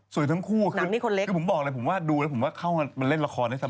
สวยทั้งคู่หนังนี้คนเล็กคือผมบอกเลยดูแล้วผมว่าเข้ากันมันเล่นละครได้สบาย